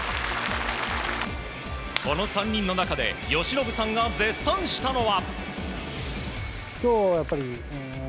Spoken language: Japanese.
この３人の中で由伸さんが絶賛したのは。